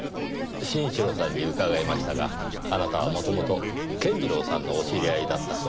真一郎さんに伺いましたがあなたは元々健次郎さんのお知り合いだったそうですねぇ。